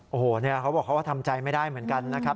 โอ้โหเขาบอกเขาก็ทำใจไม่ได้เหมือนกันนะครับ